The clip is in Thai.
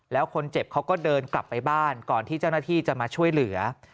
แล้วคนเจ็บเขาก็เดินกลับไปบ้านก่อนที่เจ้าหน้าที่จะมาช่วยเหลือ